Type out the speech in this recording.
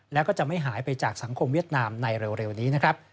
แล้วก็จะไม่หายไปจากสังคมเวียดนามในเร็วนี้นะครับ